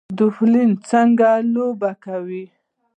ډولفین څنګه لوبه کوي؟